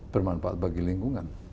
bermanfaat bagi lingkungan